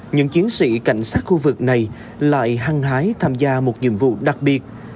những chiến sĩ cảnh sát khu vực này lại hăng hái tham gia một nhiệm vụ đặc biệt